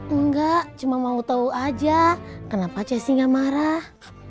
enggak cuma mau tau aja kenapa cee si gak marah